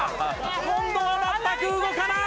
今度は全く動かない！